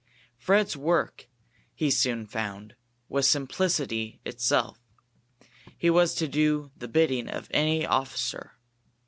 Fred's work, he soon found, was simplicity itself. He was to do the bidding of any officer.